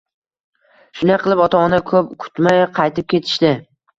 Shunday qilib, ota-ona ko`p kutmay qaytib ketishdi